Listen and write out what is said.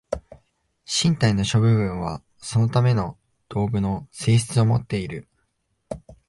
身体の諸部分はそのための道具の性質をもっている。